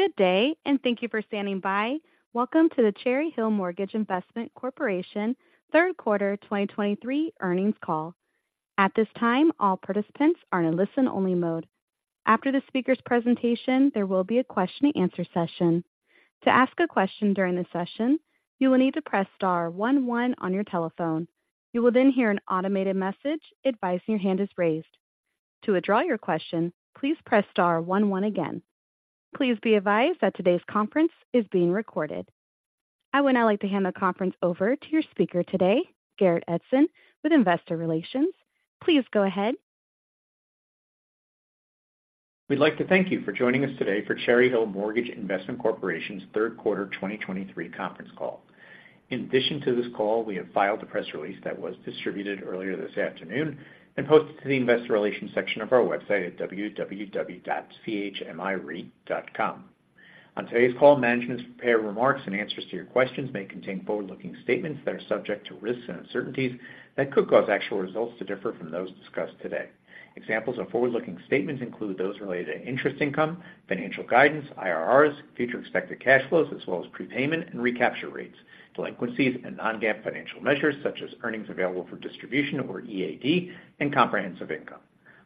Good day, and thank you for standing by. Welcome to the Cherry Hill Mortgage Investment Corporation third quarter 2023 earnings call. At this time, all participants are in a listen-only mode. After the speaker's presentation, there will be a question-and-answer session. To ask a question during the session, you will need to press star one one on your telephone. You will then hear an automated message advising your hand is raised. To withdraw your question, please press star one one again. Please be advised that today's conference is being recorded. I would now like to hand the conference over to your speaker today, Garrett Edson, with Investor Relations. Please go ahead. We'd like to thank you for joining us today for Cherry Hill Mortgage Investment Corporation's third quarter 2023 conference call. In addition to this call, we have filed a press release that was distributed earlier this afternoon and posted to the Investor Relations section of our website at www.chmire.com. On today's call, management's prepared remarks and answers to your questions may contain forward-looking statements that are subject to risks and uncertainties that could cause actual results to differ from those discussed today. Examples of forward-looking statements include those related to interest income, financial guidance, IRRs, future expected cash flows, as well as prepayment and recapture rates, delinquencies and non-GAAP financial measures, such as earnings available for distribution, or EAD, and comprehensive income.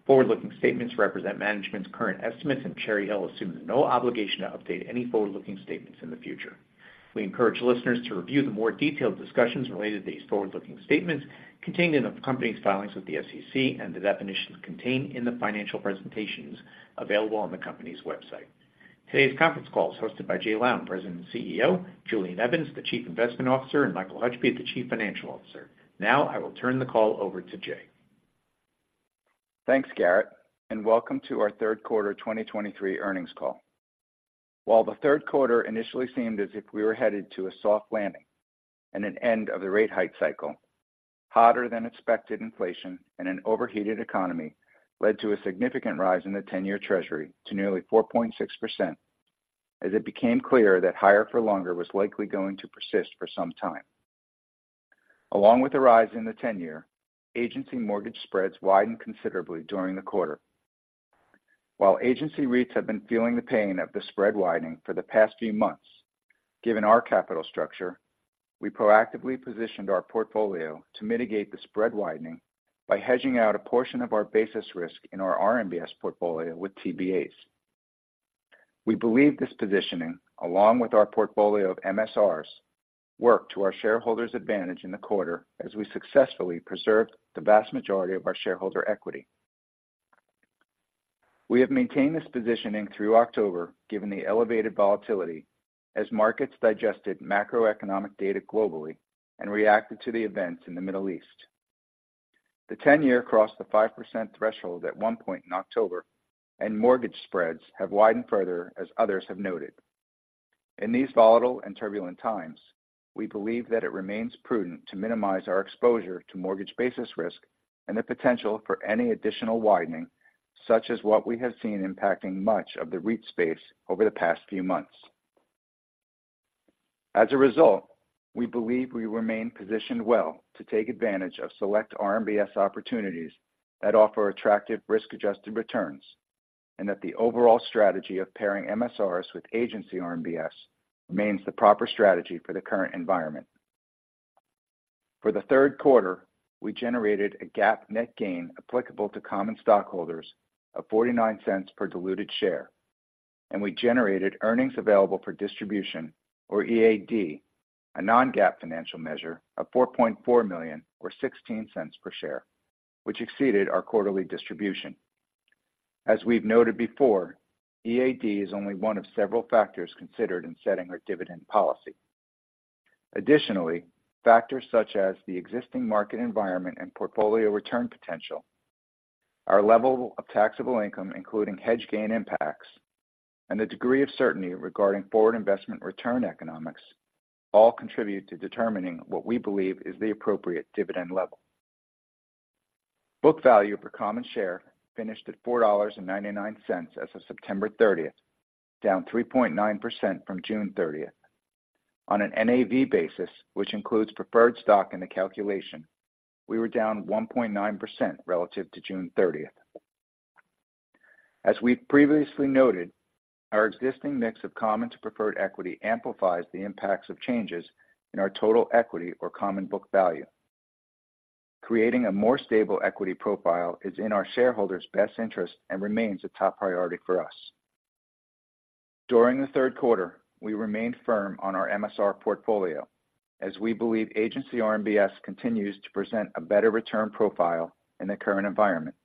Forward-looking statements represent management's current estimates, and Cherry Hill assumes no obligation to update any forward-looking statements in the future. We encourage listeners to review the more detailed discussions related to these forward-looking statements contained in the company's filings with the SEC and the definitions contained in the financial presentations available on the company's website. Today's conference call is hosted by Jay Lown, President and CEO, Julian Evans, the Chief Investment Officer, and Michael Hutchby, the Chief Financial Officer. Now, I will turn the call over to Jay. Thanks, Garrett, and welcome to our third quarter 2023 earnings call. While the third quarter initially seemed as if we were headed to a soft landing and an end of the rate hike cycle, hotter-than-expected inflation and an overheated economy led to a significant rise in the 10 Year Treasury to nearly 4.6%, as it became clear that higher for longer was likely going to persist for some time. Along with the rise in the 10 Year Treasury, agency mortgage spreads widened considerably during the quarter. While agency REITs have been feeling the pain of the spread widening for the past few months, given our capital structure, we proactively positioned our portfolio to mitigate the spread widening by hedging out a portion of our basis risk in our RMBS portfolio with TBAs. We believe this positioning, along with our portfolio of MSRs, worked to our shareholders' advantage in the quarter as we successfully preserved the vast majority of our shareholder equity. We have maintained this positioning through October, given the elevated volatility as markets digested macroeconomic data globally and reacted to the events in the Middle East. The ten-year crossed the 5% threshold at one point in October, and mortgage spreads have widened further, as others have noted. In these volatile and turbulent times, we believe that it remains prudent to minimize our exposure to mortgage basis risk and the potential for any additional widening, such as what we have seen impacting much of the REIT space over the past few months. As a result, we believe we remain positioned well to take advantage of select RMBS opportunities that offer attractive risk-adjusted returns, and that the overall strategy of pairing MSRs with agency RMBS remains the proper strategy for the current environment. For the third quarter, we generated a GAAP net gain applicable to common stockholders of $0.49 per diluted share, and we generated earnings available for distribution, or EAD, a non-GAAP financial measure of $4.4 million, or $0.16 per share, which exceeded our quarterly distribution. As we've noted before, EAD is only one of several factors considered in setting our dividend policy. Additionally, factors such as the existing market environment and portfolio return potential, our level of taxable income, including hedge gain impacts, and the degree of certainty regarding forward investment return economics all contribute to determining what we believe is the appropriate dividend level. Book value per common share finished at $4.99 as of September 30, down 3.9% from June 30. On an NAV basis, which includes preferred stock in the calculation, we were down 1.9% relative to June 30th. As we've previously noted, our existing mix of common to preferred equity amplifies the impacts of changes in our total equity or common book value. Creating a more stable equity profile is in our shareholders' best interest and remains a top priority for us. During the third quarter, we remained firm on our MSR portfolio, as we believe agency RMBS continues to present a better return profile in the current environment.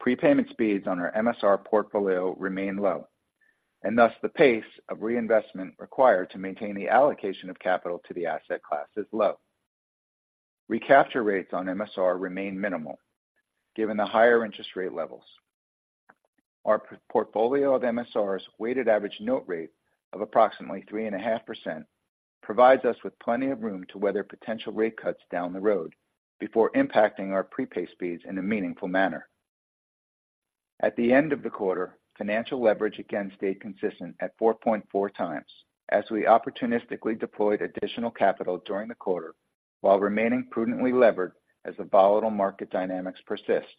Prepayment speeds on our MSR portfolio remain low, and thus the pace of reinvestment required to maintain the allocation of capital to the asset class is low. Recapture rates on MSRs remain minimal, given the higher interest rate levels. Our portfolio of MSRs' weighted average note rate of approximately 3.5% provides us with plenty of room to weather potential rate cuts down the road before impacting our prepay speeds in a meaningful manner. At the end of the quarter, financial leverage again stayed consistent at 4.4x, as we opportunistically deployed additional capital during the quarter while remaining prudently levered as the volatile market dynamics persist.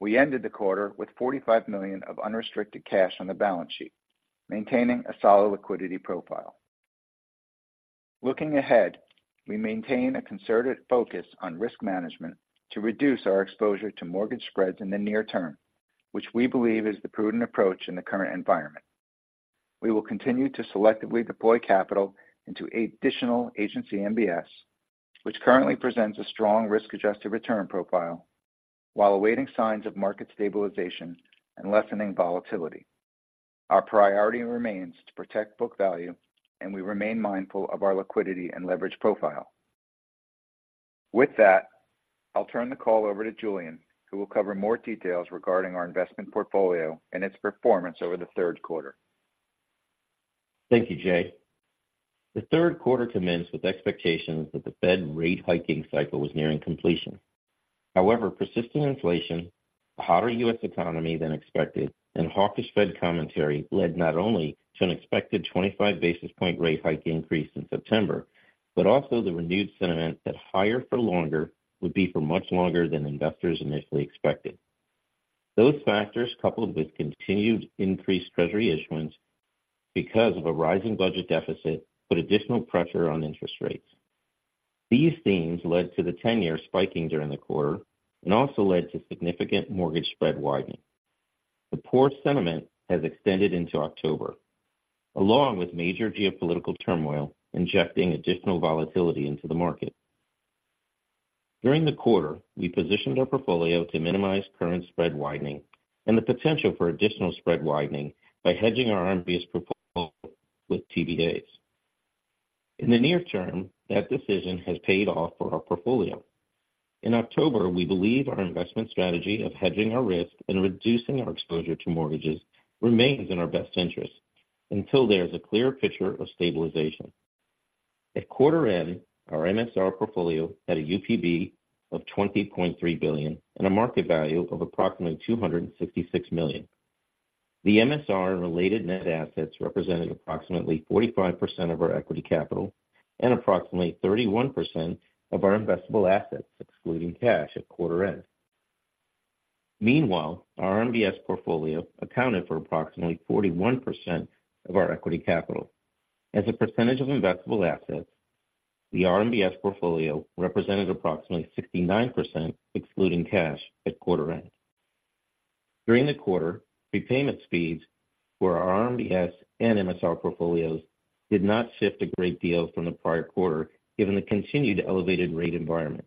We ended the quarter with $45 million of unrestricted cash on the balance sheet, maintaining a solid liquidity profile. Looking ahead, we maintain a concerted focus on risk management to reduce our exposure to mortgage spreads in the near term, which we believe is the prudent approach in the current environment. We will continue to selectively deploy capital into additional Agency MBS, which currently presents a strong risk-adjusted return profile while awaiting signs of market stabilization and lessening volatility. Our priority remains to protect book value, and we remain mindful of our liquidity and leverage profile. With that, I'll turn the call over to Julian, who will cover more details regarding our investment portfolio and its performance over the third quarter. Thank you, Jay. The third quarter commenced with expectations that the Fed rate hiking cycle was nearing completion. However, persistent inflation, a hotter U.S. economy than expected, and hawkish Fed commentary led not only to an expected 25 basis point rate hike increase in September, but also the renewed sentiment that higher for longer would be for much longer than investors initially expected. Those factors, coupled with continued increased Treasury issuance because of a rising budget deficit, put additional pressure on interest rates. These themes led to the 10-year spiking during the quarter and also led to significant mortgage spread widening. The poor sentiment has extended into October, along with major geopolitical turmoil, injecting additional volatility into the market. During the quarter, we positioned our portfolio to minimize current spread widening and the potential for additional spread widening by hedging our RMBS portfolio with TBAs. In the near term, that decision has paid off for our portfolio. In October, we believe our investment strategy of hedging our risk and reducing our exposure to mortgages remains in our best interest until there is a clearer picture of stabilization. At quarter end, our MSR portfolio had a UPB of $20.3 billion and a market value of approximately $266 million. The MSR and related net assets represented approximately 45% of our equity capital and approximately 31% of our investable assets, excluding cash at quarter end. Meanwhile, our RMBS portfolio accounted for approximately 41% of our equity capital. As a percentage of investable assets, the RMBS portfolio represented approximately 69%, excluding cash at quarter end. During the quarter, prepayment speeds for our RMBS and MSR portfolios did not shift a great deal from the prior quarter, given the continued elevated rate environment.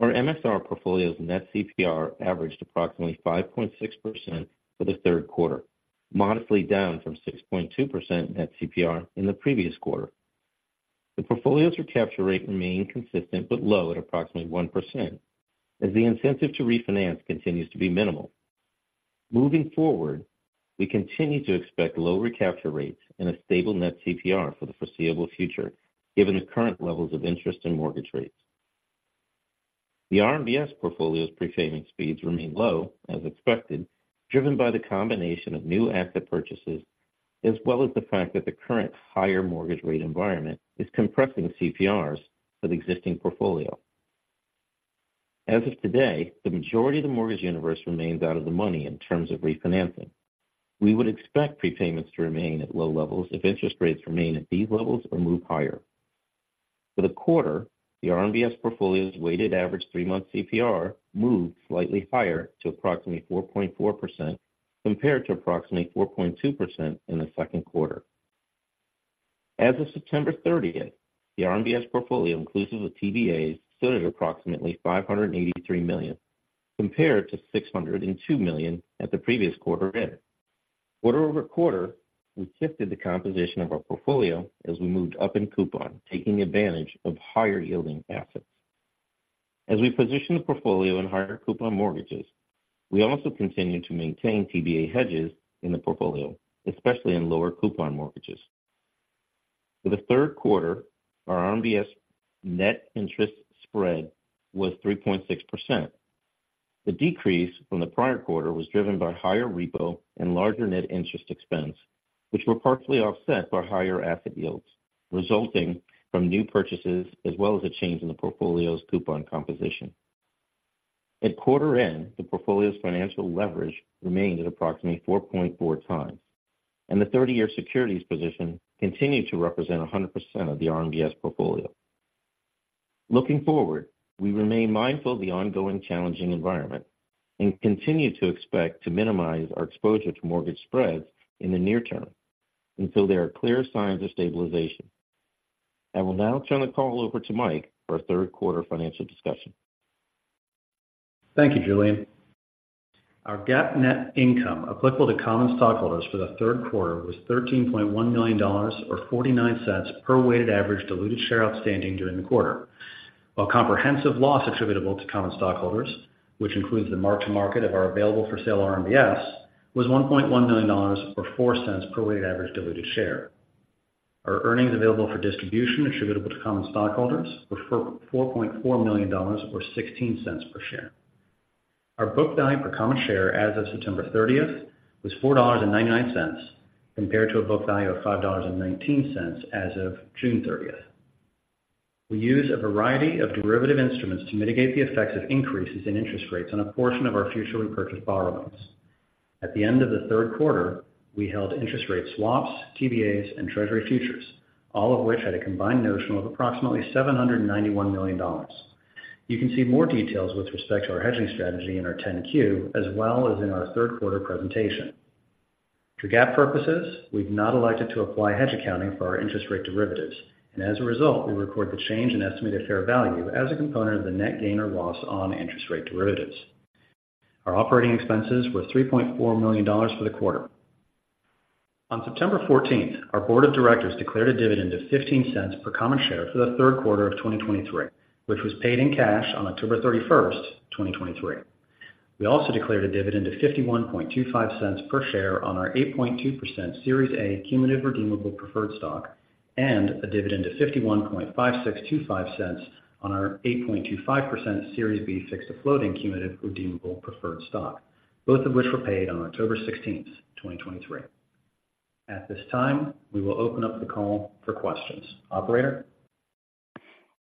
Our MSR portfolio's net CPR averaged approximately 5.6% for the third quarter, modestly down from 6.2% net CPR in the previous quarter. The portfolio's recapture rate remained consistent but low at approximately 1%, as the incentive to refinance continues to be minimal. Moving forward, we continue to expect low recapture rates and a stable net CPR for the foreseeable future, given the current levels of interest in mortgage rates. The RMBS portfolio's prepayment speeds remain low, as expected, driven by the combination of new asset purchases, as well as the fact that the current higher mortgage rate environment is compressing CPRs for the existing portfolio. As of today, the majority of the mortgage universe remains out of the money in terms of refinancing. We would expect prepayments to remain at low levels if interest rates remain at these levels or move higher. For the quarter, the RMBS portfolio's weighted average three-month CPR moved slightly higher to approximately 4.4%, compared to approximately 4.2% in the second quarter. As of September 30th, the RMBS portfolio, inclusive of TBAs, stood at approximately $583 million, compared to $602 million at the previous quarter end. Quarter-over-quarter, we shifted the composition of our portfolio as we moved up in coupon, taking advantage of higher-yielding assets. As we position the portfolio in higher coupon mortgages, we also continue to maintain TBA hedges in the portfolio, especially in lower coupon mortgages. For the third quarter, our RMBS net interest spread was 3.6%. The decrease from the prior quarter was driven by higher repo and larger net interest expense, which were partially offset by higher asset yields, resulting from new purchases as well as a change in the portfolio's coupon composition. At quarter end, the portfolio's financial leverage remained at approximately 4.4x, and the 30-year securities position continued to represent 100% of the RMBS portfolio. Looking forward, we remain mindful of the ongoing challenging environment and continue to expect to minimize our exposure to mortgage spreads in the near term until there are clear signs of stabilization. I will now turn the call over to Mike for our third quarter financial discussion. Thank you, Julian. Our GAAP net income applicable to common stockholders for the third quarter was $13.1 million, or $0.49 per weighted average diluted share outstanding during the quarter, while comprehensive loss attributable to common stockholders, which includes the mark-to-market of our available-for-sale RMBS, was $1.1 million, or $0.04 per weighted average diluted share. Our earnings available for distribution attributable to common stockholders were $4.4 million, or $0.16 per share. Our book value per common share as of September 30th was $4.99, compared to a book value of $5.19 as of June 30th. We use a variety of derivative instruments to mitigate the effects of increases in interest rates on a portion of our future repurchase borrowings. At the end of the third quarter, we held interest rate swaps, TBAs, and Treasury futures, all of which had a combined notional of approximately $791 million. You can see more details with respect to our hedging strategy in our 10-Q, as well as in our third quarter presentation. For GAAP purposes, we've not elected to apply hedge accounting for our interest rate derivatives, and as a result, we record the change in estimated fair value as a component of the net gain or loss on interest rate derivatives. Our operating expenses were $3.4 million for the quarter. On September 14th, our board of directors declared a dividend of $0.15 per common share for the third quarter of 2023, which was paid in cash on October 31st, 2023. We also declared a dividend of $0.5125 per share on our 8.2% Series A Cumulative Redeemable Preferred Stock, and a dividend of $0.515625 on our 8.25% Series B Fixed-to-Floating Cumulative Redeemable Preferred Stock, both of which were paid on October 16th, 2023. At this time, we will open up the call for questions. Operator?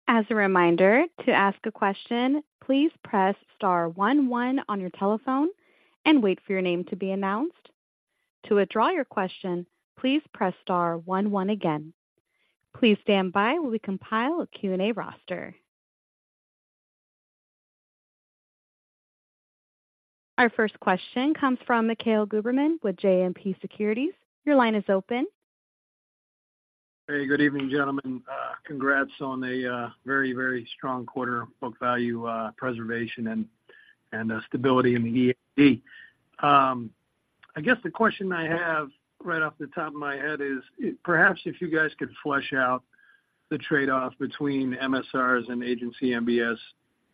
As a reminder, to ask a question, please press star one, one on your telephone and wait for your name to be announced. To withdraw your question, please press star one, one again. Please stand by while we compile a Q&A roster. Our first question comes from Mikhail Goberman with JMP Securities. Your line is open. Hey, good evening, gentlemen. Congrats on a very, very strong quarter book value preservation and stability in the EAD. I guess the question I have right off the top of my head is: perhaps if you guys could flesh out the trade-off between MSRs and agency MBS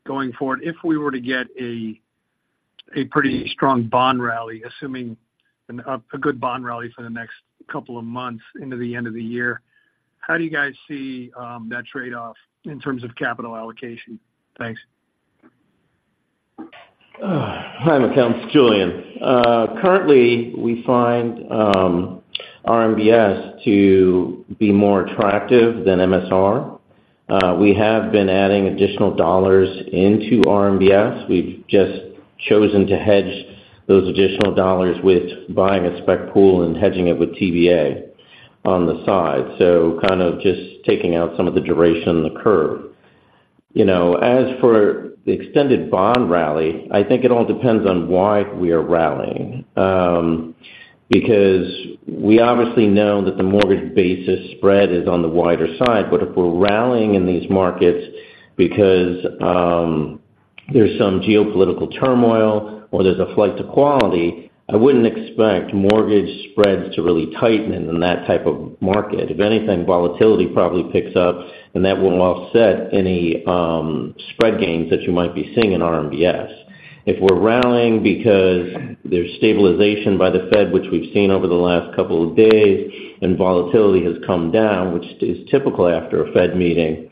going forward. If we were to get a pretty strong bond rally, assuming a good bond rally for the next couple of months into the end of the year, how do you guys see that trade-off in terms of capital allocation? Thanks. Hi, Mikhail. It's Julian. Currently, we find RMBS to be more attractive than MSR. We have been adding additional dollars into RMBS. We've just chosen to hedge those additional dollars with buying a spec pool and hedging it with TBA on the side. So kind of just taking out some of the duration in the curve. You know, as for the extended bond rally, I think it all depends on why we are rallying. Because we obviously know that the mortgage basis spread is on the wider side, but if we're rallying in these markets because there's some geopolitical turmoil or there's a flight to quality, I wouldn't expect mortgage spreads to really tighten in that type of market. If anything, volatility probably picks up, and that will offset any spread gains that you might be seeing in RMBS. If we're rallying because there's stabilization by the Fed, which we've seen over the last couple of days, and volatility has come down, which is typical after a Fed meeting,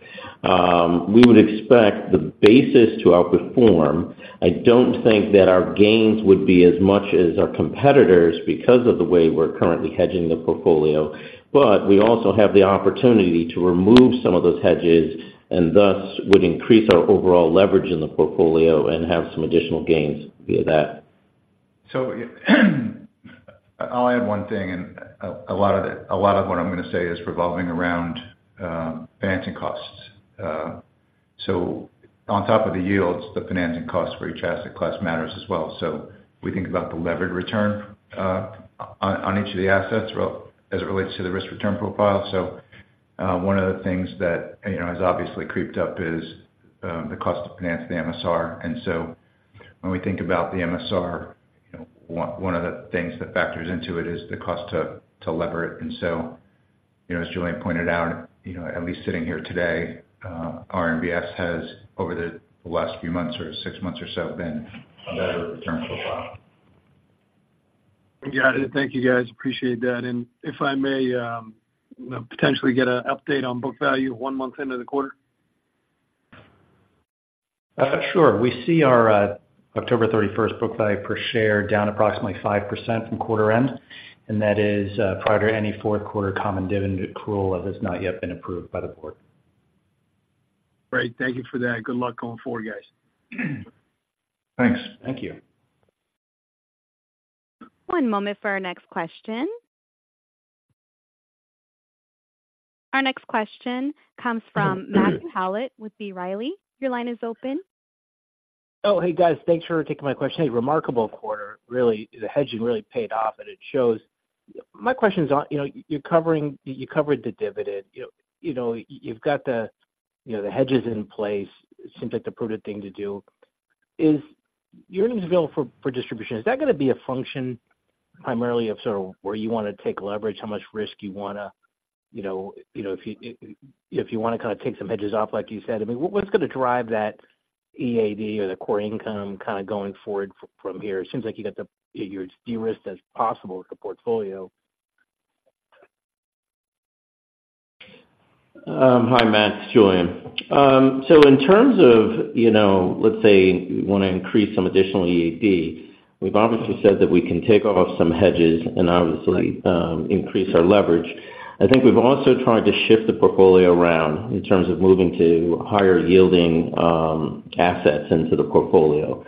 we would expect the basis to outperform. I don't think that our gains would be as much as our competitors, because of the way we're currently hedging the portfolio, but we also have the opportunity to remove some of those hedges, and thus would increase our overall leverage in the portfolio and have some additional gains via that. So, I'll add one thing, and a lot of what I'm going to say is revolving around financing costs. So on top of the yields, the financing costs for each asset class matters as well. So we think about the levered return on each of the assets, well, as it relates to the risk-return profile. So one of the things that, you know, has obviously creeped up is the cost to finance the MSR. And so when we think about the MSR, you know, one of the things that factors into it is the cost to lever it. And so, you know, as Julian pointed out, you know, at least sitting here today, RMBS has, over the last few months or six months or so, been a better return profile. Got it. Thank you, guys. Appreciate that. And if I may, potentially get an update on book value one month into the quarter? Sure. We see our October 31st book value per share down approximately 5% from quarter end, and that is prior to any fourth quarter common dividend accrual that has not yet been approved by the board. Great. Thank you for that. Good luck going forward, guys. Thanks. Thank you. One moment for our next question. Our next question comes from Matt Howlett with B Riley. Your line is open. Oh, hey, guys. Thanks for taking my question. Hey, remarkable quarter. Really, the hedging really paid off, and it shows. My question is on, you know, you're covering—you covered the dividend, you know, you've got the, you know, the hedges in place. It seems like the prudent thing to do. Is earnings available for distribution, is that going to be a function primarily of sort of where you want to take leverage, how much risk you want to, you know, you know, if you, if you want to kind of take some hedges off, like you said? I mean, what's going to drive that EAD or the core income kind of going forward from here? It seems like you got the... You're as de-risked as possible with the portfolio. Hi, Matt, it's Julian. So in terms of, you know, let's say we want to increase some additional EAD. We've obviously said that we can take off some hedges and obviously, increase our leverage. I think we've also tried to shift the portfolio around in terms of moving to higher-yielding, assets into the portfolio.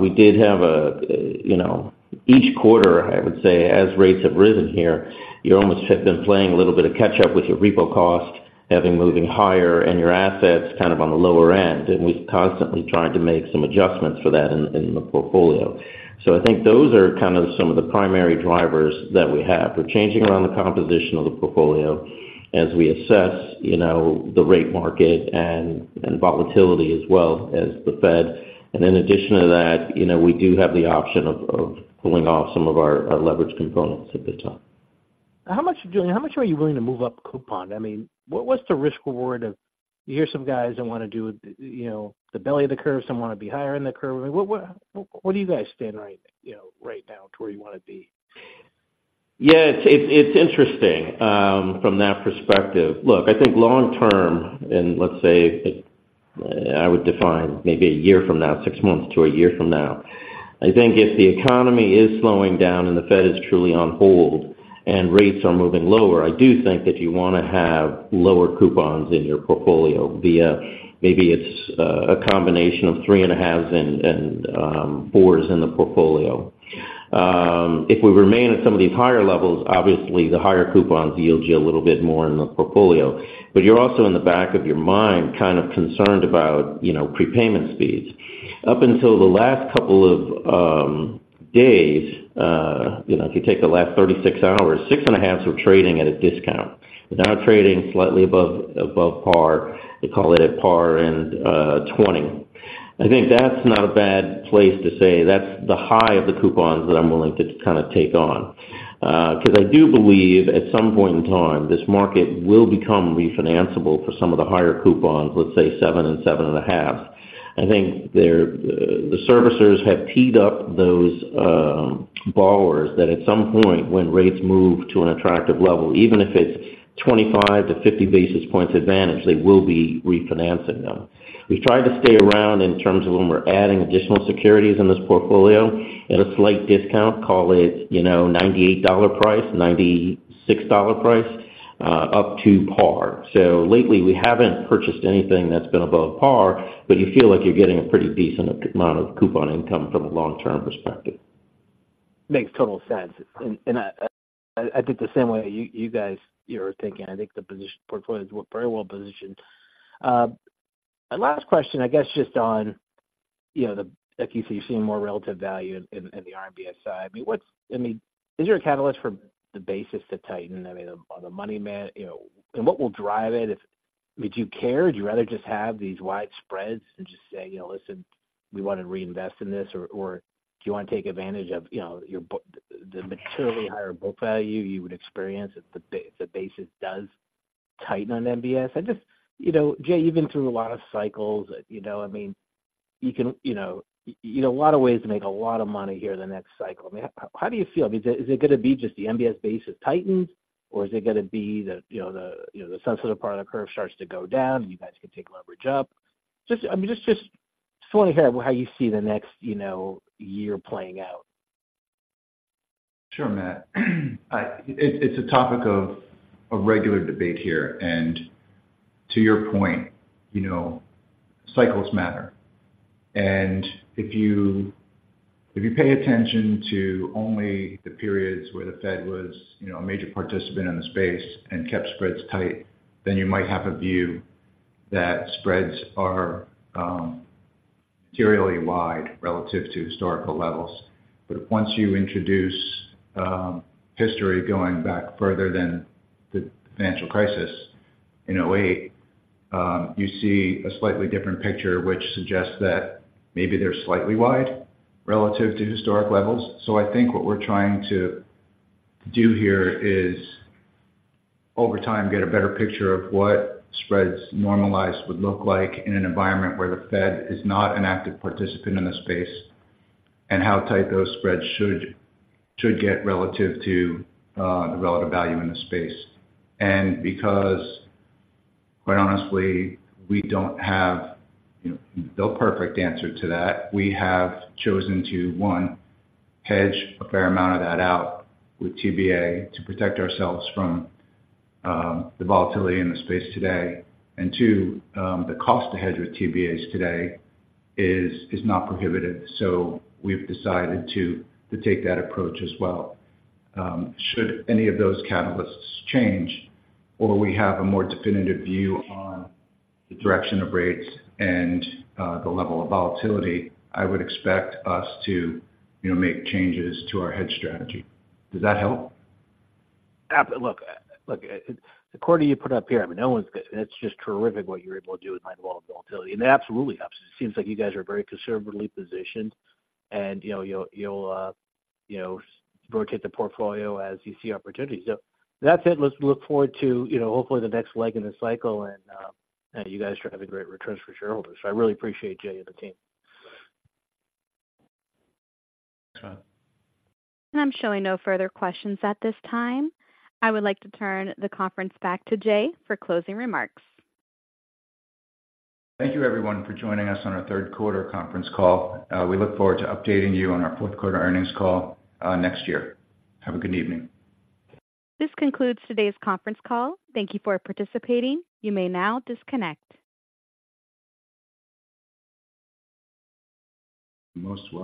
We did have a, you know—each quarter, I would say, as rates have risen here, you almost have been playing a little bit of catch up with your repo cost, having moving higher and your assets kind of on the lower end, and we've constantly tried to make some adjustments for that in the portfolio. So I think those are kind of some of the primary drivers that we have. We're changing around the composition of the portfolio as we assess the rate market and volatility as well as the Fed. In addition to that, you know, we do have the option of pulling off some of our leverage components at the top. How much, Jay, how much are you willing to move up coupon? I mean, what, what's the risk reward of you hear some guys that want to do, you know, the belly of the curve, some want to be higher in the curve. I mean, what, what, where do you guys stand right, you know, right now to where you want to be? Yeah, it's interesting from that perspective. Look, I think long term, and let's say, I would define maybe a year from now, six months to a year from now, I think if the economy is slowing down and the Fed is truly on hold and rates are moving lower, I do think that you want to have lower coupons in your portfolio, via maybe it's a combination of three and a halfs and fours in the portfolio. If we remain at some of these higher levels, obviously the higher coupons yield you a little bit more in the portfolio. But you're also, in the back of your mind, kind of concerned about, you know, prepayment speeds. Up until the last couple of days, you know, if you take the last 36 hours, six and a half were trading at a discount. They're now trading slightly above, above par. They call it a par and 20. I think that's not a bad place to say that's the high of the coupons that I'm willing to kind of take on. Because I do believe at some point in time, this market will become refinanceable for some of the higher coupons, let's say seven and seven and a half. I think they're, the servicers have teed up those borrowers, that at some point when rates move to an attractive level, even if it's 25-50 basis points advantage, they will be refinancing them. We've tried to stay around in terms of when we're adding additional securities in this portfolio at a slight discount, call it, you know, $98 price, $96 price, up to par. Lately we haven't purchased anything that's been above par, but you feel like you're getting a pretty decent amount of coupon income from a long-term perspective. Makes total sense. And I think the same way you guys are thinking. I think the portfolio is very well positioned. My last question, I guess, just on, you know, like you see more relative value in the RMBS side. I mean, is there a catalyst for the basis to tighten? I mean, on the non-agency, you know, and what will drive it? I mean, do you care? Would you rather just have these wide spreads and just say: You know, listen, we want to reinvest in this, or do you want to take advantage of, you know, the materially higher book value you would experience if the basis does tighten on MBS? I just, you know, Jay, you've been through a lot of cycles. You know, I mean, you can, you need a lot of ways to make a lot of money here in the next cycle. I mean, how do you feel? I mean, is it going to be just the MBS base is tightened, or is it going to be the, you know, the, you know, the sensitive part of the curve starts to go down, you guys can take leverage up? Just, I mean, just, just want to hear how you see the next, you know, year playing out. Sure, Matt. It's a topic of regular debate here. And to your point, you know, cycles matter. And if you pay attention to only the periods where the Fed was, you know, a major participant in the space and kept spreads tight, then you might have a view that spreads are materially wide relative to historical levels. But once you introduce history going back further than the financial crisis in 2008, you see a slightly different picture, which suggests that maybe they're slightly wide relative to historic levels. So I think what we're trying to do here is, over time, get a better picture of what spreads normalized would look like in an environment where the Fed is not an active participant in the space, and how tight those spreads should get relative to the relative value in the space. Because, quite honestly, we don't have, you know, no perfect answer to that, we have chosen to, one, hedge a fair amount of that out with TBA to protect ourselves from the volatility in the space today, and two, the cost to hedge with TBAs today is not prohibitive. So we've decided to take that approach as well. Should any of those catalysts change or we have a more definitive view on the direction of rates and the level of volatility, I would expect us to, you know, make changes to our hedge strategy. Does that help? Look, look, the quarter you put up here, I mean, no one's that's just terrific what you're able to do with high volatility, and absolutely, absolutely. It seems like you guys are very conservatively positioned, and, you know, you'll, you know, rotate the portfolio as you see opportunities. So that's it. Let's look forward to, you know, hopefully the next leg in the cycle, and, you guys should have a great return for shareholders. So I really appreciate Jay and the team. Sure. I'm showing no further questions at this time. I would like to turn the conference back to Jay for closing remarks. Thank you, everyone, for joining us on our third quarter conference call. We look forward to updating you on our fourth quarter earnings call next year. Have a good evening. This concludes today's conference call. Thank you for participating. You may now disconnect.